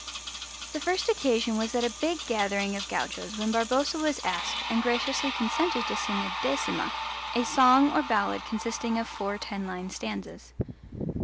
The first occasion was at a big gathering of gauchos when Barboza was asked and graciously consented to sing a decima a song or ballad consisting of four ten line stanzas.